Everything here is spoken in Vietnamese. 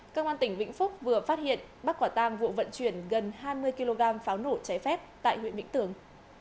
cơ quan tỉnh vĩnh phúc vừa phát hiện bắt quả tam vụ vận chuyển gần hai mươi kg pháo nổ cháy phép tại huyện vĩnh tường